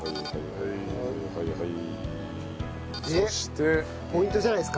はいはいはい。